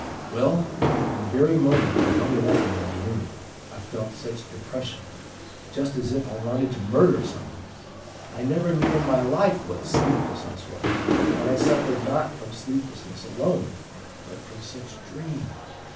"'Well, from the very moment I hung it up in my room I felt such depression just as if I wanted to murder some one. I never knew in my life what sleeplessness was; but I suffered not from sleeplessness alone, but from such dreams!